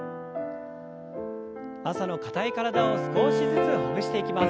朝の硬い体を少しずつほぐしていきます。